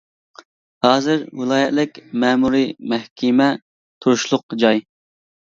ھازىر ۋىلايەتلىك مەمۇرىي مەھكىمە تۇرۇشلۇق جاي.